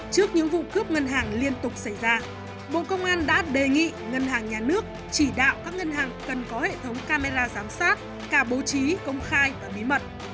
trước những vụ cướp ngân hàng liên tục xảy ra bộ công an đã đề nghị ngân hàng nhà nước chỉ đạo các ngân hàng cần có hệ thống camera giám sát cả bố trí công khai và bí mật